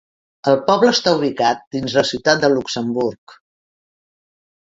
El poble està ubicat dins la ciutat de Luxemburg.